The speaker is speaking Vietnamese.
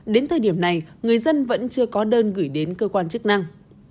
đến thời điểm này người dân vẫn chưa có đơn gửi đến cơ quan chức năng